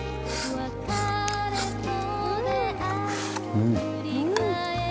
うん。